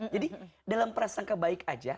jadi dalam perasangka baik aja